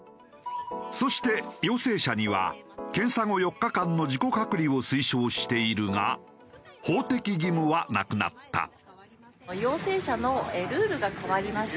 そして陽性者には検査後４日間の自己隔離を推奨しているが法的義務はなくなった。